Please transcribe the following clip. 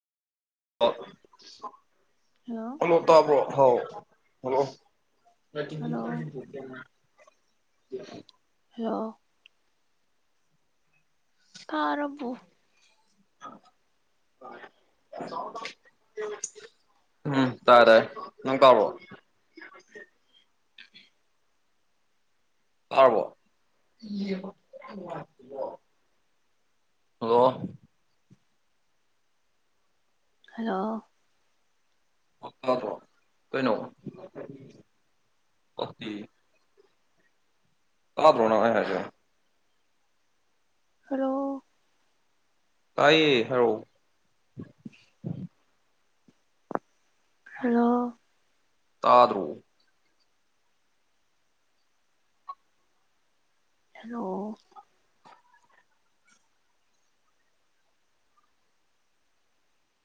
hello ꯑꯃꯣ ꯇꯥꯕ꯭ꯔꯣ ꯍꯥꯎ ꯍꯜꯂꯣ ꯍꯜꯂꯣ ꯄꯁ ꯍꯜꯂꯣ ꯀꯥꯔꯕꯨ ꯎꯝ ꯇꯥꯥꯏꯦ ꯇꯥꯏꯦ ꯅꯪ ꯀꯕꯣ [inaudible] ꯄꯥꯔꯔꯕꯣ ꯍꯜꯂꯣ ꯍꯜꯂꯣ ꯕꯣ ꯀꯩꯅꯣ ꯑꯣꯀꯦ ꯁꯥꯗꯧꯣꯅ ꯍꯥꯏꯁꯨꯣ ꯔꯣ ꯇꯥꯏꯌꯦ ꯍꯂꯣ ꯐ ꯍꯜꯂꯣ ꯇꯥꯗ꯭ꯔꯣ ꯍꯜꯂꯣ